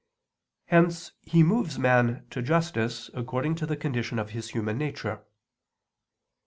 Hence He moves man to justice according to the condition of his human nature.